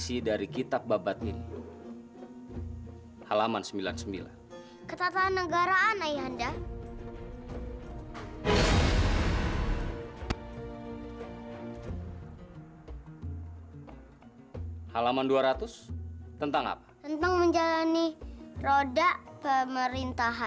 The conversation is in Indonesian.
ada kian santang pergi keluar istana